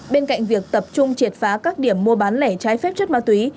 bên cạnh việc tập trung triệt phá các điểm mua bán lẻ trái phép chất ma túy